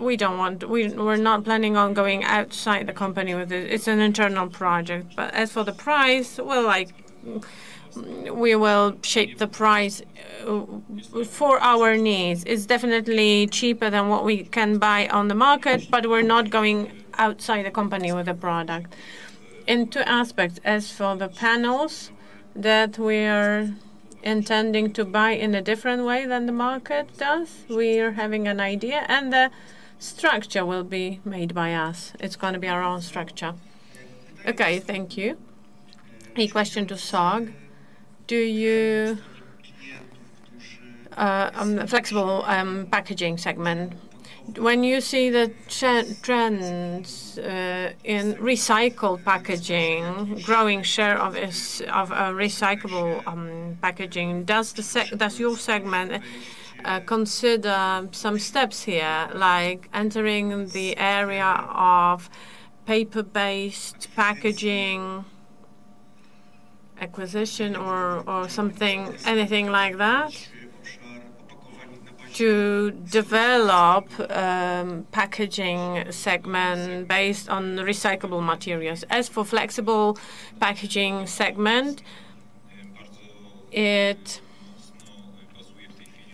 S1: we don't want- we, we're not planning on going outside the company with it. It's an internal project. As for the price, well, like, we will shape the price w- for our needs. It's definitely cheaper than what we can buy on the market, but we're not going outside the company with the product in two aspects. As for the panels that we are intending to buy in a different way than the market does, we are having an idea, and the structure will be made by us. It's gonna be our own structure. Okay, thank you. A question to Sog. Do you on the Flexible Packaging Segment, when you see the trend, trends in recycled packaging, growing share of recyclable packaging, does your segment consider some steps here, like entering the area of paper-based packaging, acquisition or, or something, anything like that, to develop packaging segment based on the recyclable materials? As for Flexible Packaging Segment, it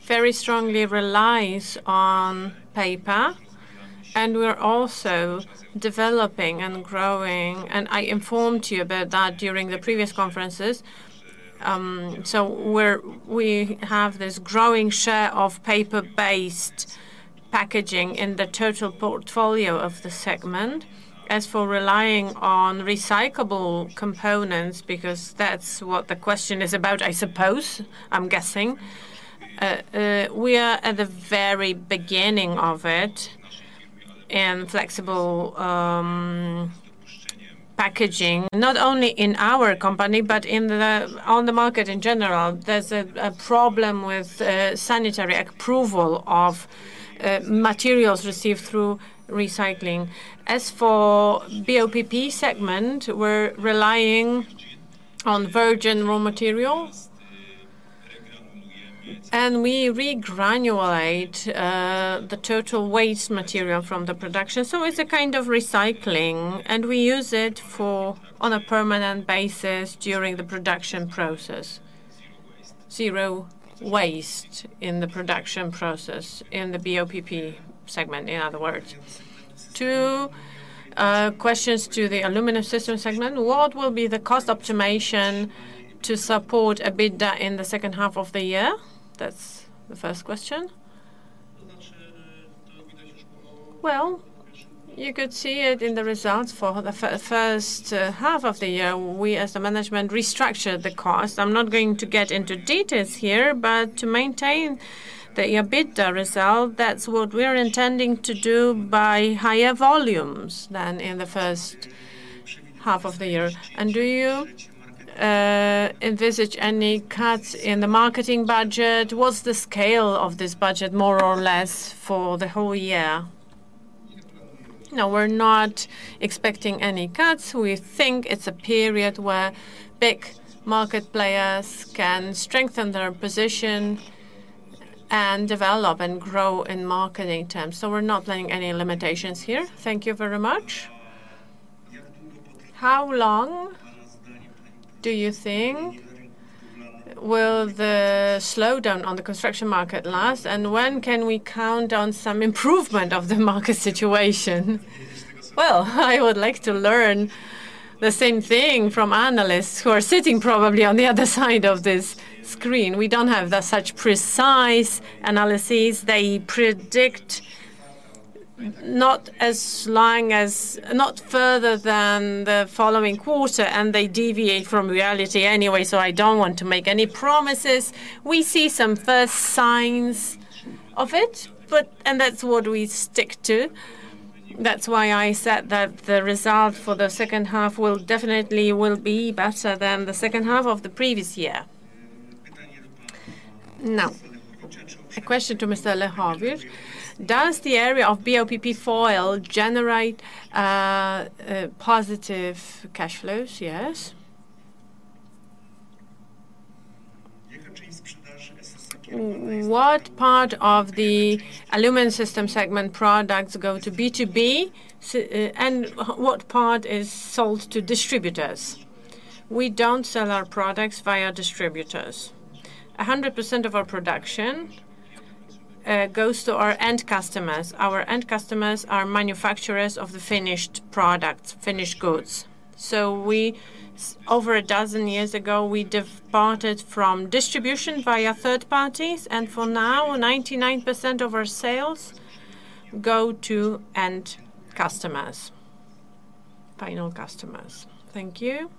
S1: very strongly relies on paper, and we're also developing and growing, and I informed you about that during the previous conferences. We have this growing share of paper-based packaging in the total portfolio of the segment. As for relying on recyclable components, because that's what the question is about, I suppose, I'm guessing, we are at the very beginning of it in flexible packaging, not only in our company, but in the, on the market in general. There's a problem with sanitary approval of materials received through recycling. As for BOPP segment, we're relying on virgin raw materials, and we regranulate the total waste material from the production, so it's a kind of recycling, and we use it for on a permanent basis during the production process. Zero waste in the production process, in the BOPP segment, in other words. Two questions to the Aluminum Systems Segment. What will be the cost optimization to support EBITDA in the second half of the year? That's the first question. Well, you could see it in the results for the first half of the year. We, as the management, restructured the cost. I'm not going to get into details here, but to maintain the EBITDA result, that's what we're intending to do by higher volumes than in the first half of the year. Do you envisage any cuts in the marketing budget? What's the scale of this budget, more or less, for the whole year? No, we're not expecting any cuts. We think it's a period where big market players can strengthen their position and develop and grow in marketing terms, so we're not planning any limitations here. Thank you very much. How long do you think will the slowdown on the construction market last, and when can we count on some improvement of the market situation? Well, I would like to learn the same thing from analysts who are sitting probably on the other side of this screen. We don't have the such precise analyses. They predict not as long as not further than the following quarter, and they deviate from reality anyway, I don't want to make any promises. We see some first signs of it, and that's what we stick to. That's why I said that the result for the second half will definitely be better than the second half of the previous year. A question to Mr. Lechowicz. Does the area of BOPP foil generate positive cash flows? Yes.
S4: What part of the Aluminium Systems Segment products go to B2B, and what part is sold to distributors? We don't sell our products via distributors. 100% of our production goes to our end customers. Our end customers are manufacturers of the finished products, finished goods. We, over 12 years ago, we departed from distribution via third parties, and for now, 99% of our sales go to end customers, final customers. Thank you.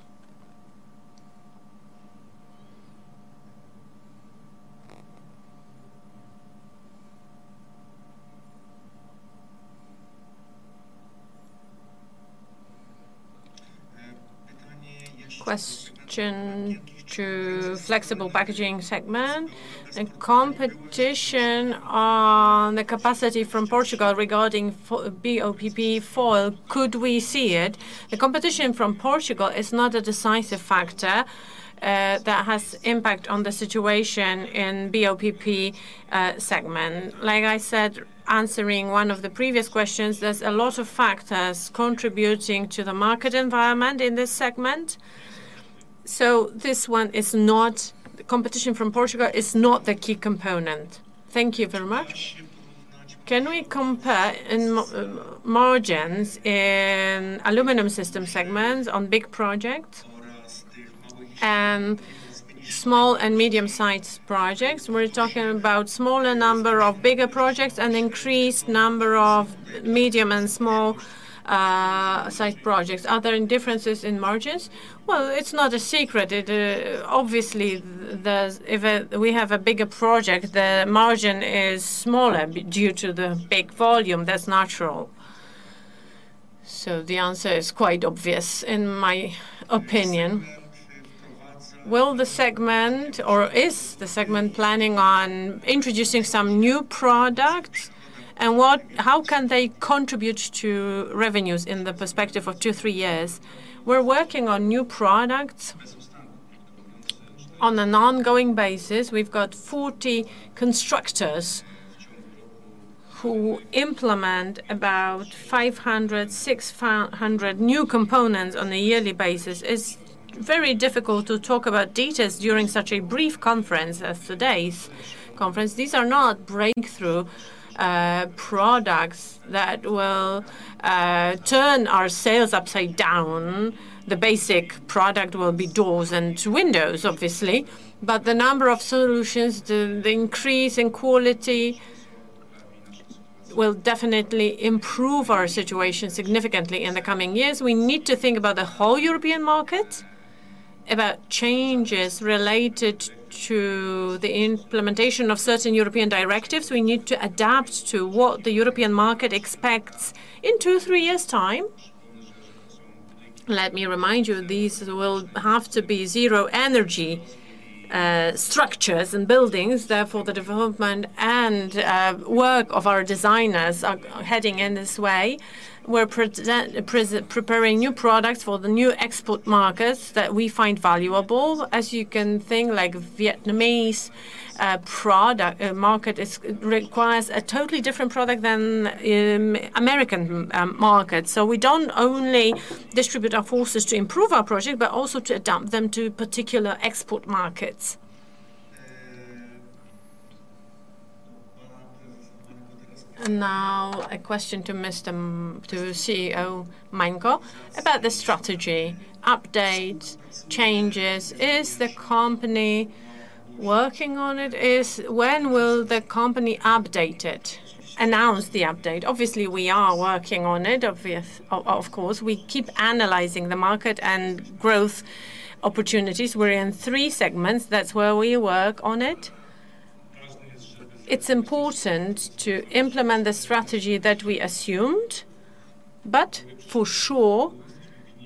S4: Question to Flexible Packaging Segment and competition on the capacity from Portugal regarding BOPP foil, could we see it? The competition from Portugal is not a decisive factor that has impact on the situation in BOPP segment. Like I said, answering one of the previous questions, there's a lot of factors contributing to the market environment in this segment, this one is not.
S1: Competition from Portugal is not the key component. Thank you very much. Can we compare margins in aluminum system segments on big projects and small and medium-sized projects? We're talking about smaller number of bigger projects and increased number of medium and small-sized projects. Are there any differences in margins? Well, it's not a secret. It, Obviously, there's, if we have a bigger project, the margin is smaller due to the big volume. That's natural. The answer is quite obvious, in my opinion. Will the segment or is the segment planning on introducing some new products? How can they contribute to revenues in the perspective of 2, 3 years? We're working on new products on an ongoing basis. We've got 40 constructors who implement about 500, 600 new components on a yearly basis. It's very difficult to talk about details during such a brief conference as today's conference. These are not breakthrough products that will turn our sales upside down. The basic product will be doors and windows, obviously, but the number of solutions, the increase in quality, will definitely improve our situation significantly in the coming years. We need to think about the whole European market, about changes related to the implementation of certain European directives. We need to adapt to what the European market expects in two, three years' time. Let me remind you, these will have to be zero energy structures and buildings. Therefore, the development and work of our designers are heading in this way. We're preparing new products for the new export markets that we find valuable. As you can think, like Vietnamese product market requires a totally different product than American market. We don't only distribute our forces to improve our project, but also to adapt them to particular export markets. Now, a question to Mr. to CEO Mańko about the strategy. Update, changes, is the company working on it? When will the company update it, announce the update? Obviously, we are working on it, of course. We keep analyzing the market and growth opportunities. We're in three segments. That's where we work on it. It's important to implement the strategy that we assumed, but for sure,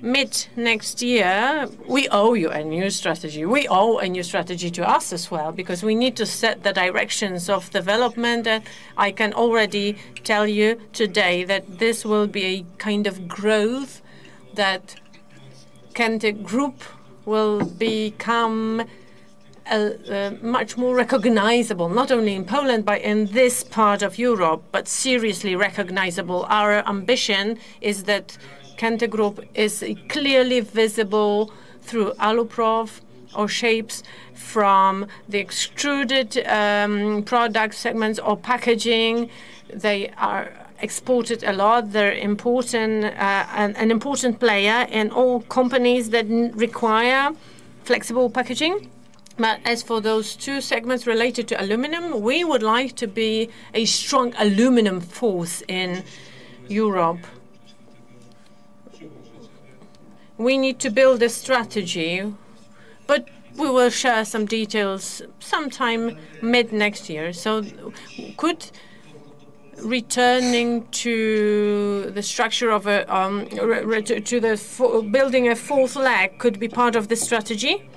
S1: mid-next year, we owe you a new strategy. We owe a new strategy to us as well because we need to set the directions of development. I can already tell you today that this will be a kind of growth, that Grupa Kęty will become a much more recognizable, not only in Poland, but in this part of Europe, seriously recognizable. Our ambition is that Grupa Kęty is clearly visible through Aluprof or shapes from the extruded product segments or packaging. They are exported a lot. They're important, an important player in all companies that require flexible packaging. As for those two segments related to aluminum, we would like to be a strong aluminum force in Europe. We need to build a strategy, we will share some details sometime mid-next year. Could returning to the structure of a building a fourth leg could be part of the strategy?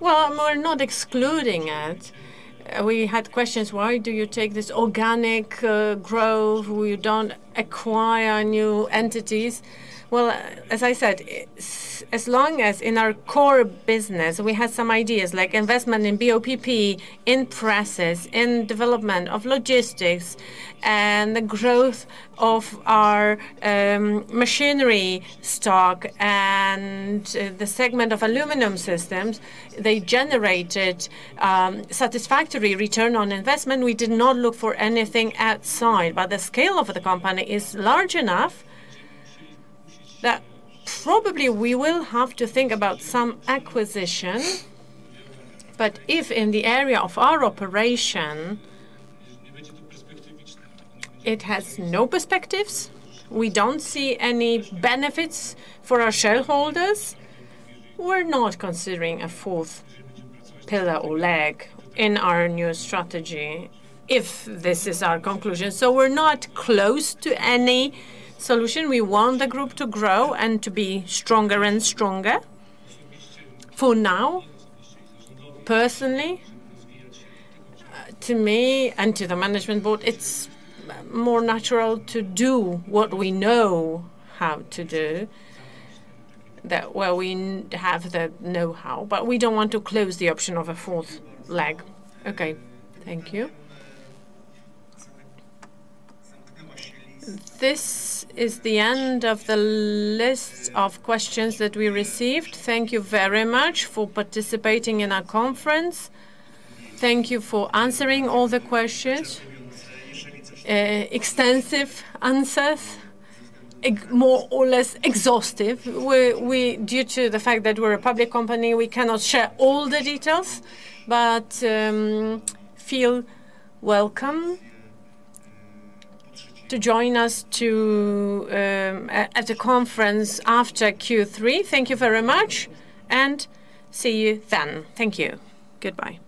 S1: Well, we're not excluding it. We had questions: "Why do you take this organic growth, you don't acquire new entities?" Well, as I said, as long as in our core business, we had some ideas, like investment in BOPP, in presses, in development of logistics, and the growth of our machinery stock and the segment of aluminum systems, they generated satisfactory return on investment. We did not look for anything outside, but the scale of the company is large enough that probably we will have to think about some acquisition. If in the area of our operation, it has no perspectives, we don't see any benefits for our shareholders, we're not considering a fourth pillar or leg in our new strategy, if this is our conclusion. We're not close to any solution. We want the group to grow and to be stronger and stronger. For now, personally, to me and to the management board, it's more natural to do what we know how to do, that where we have the know-how. We don't want to close the option of a fourth leg. Okay, thank you. This is the end of the list of questions that we received. Thank you very much for participating in our conference. Thank you for answering all the questions. Extensive answers, more or less exhaustive. We, due to the fact that we're a public company, we cannot share all the details. Feel welcome to join us to at the conference after Q3. Thank you very much and see you then. Thank you. Goodbye!